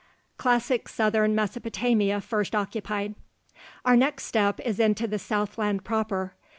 CLASSIC SOUTHERN MESOPOTAMIA FIRST OCCUPIED Our next step is into the southland proper.